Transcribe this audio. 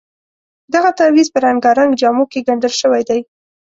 دغه تعویض په رنګارنګ جامو کې ګنډل شوی دی.